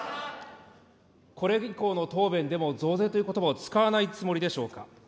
これ以降の答弁でも増税ということばを使わないつもりでしょうか。